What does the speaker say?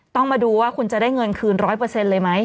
ต้องมาดูว่าคุณจะได้เงินคืน๑๐๐เลยไหม